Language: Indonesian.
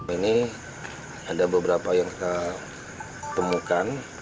ini ada beberapa yang kita temukan